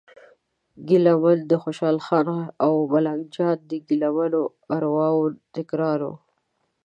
ګیله من د خوشال خان او ملنګ جان د ګیله منو ارواوو تکرار و.